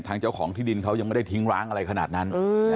เจ้าของที่ดินเขายังไม่ได้ทิ้งร้างอะไรขนาดนั้น